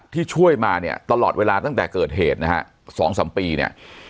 ที่ช่วยมาเนี่ยตลอดเวลาตั้งแต่เกิดเหตุนะฮะ๒๓ปีเนี่ย